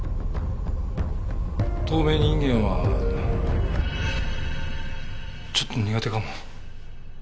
透明人間はちょっと苦手かも。